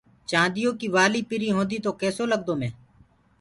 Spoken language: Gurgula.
چآنديو ڪي وآلي پري هوندي تو ڪيسو لگدو مي